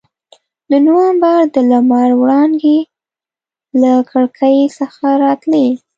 د نومبر د لمر وړانګې له کړکۍ څخه راتلې.